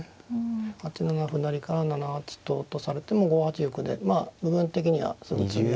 ８七歩成から７八ととされても５八玉でまあ部分的にはすぐ詰みはないので。